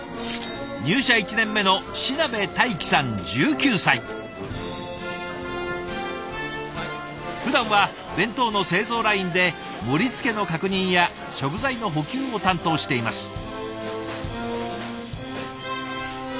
入社１年目のふだんは弁当の製造ラインで盛り付けの確認や食材の補給を担当しています。